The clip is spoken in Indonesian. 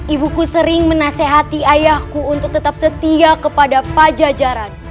ibuku sering menasehati ayahku untuk tetap setia kepada pajajaran